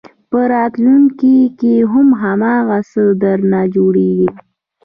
په راتلونکي کې هم هماغه څه درنه جوړېږي.